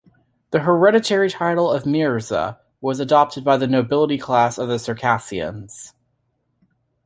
The hereditary title of Mirza was adopted by the nobility class of the Circassians.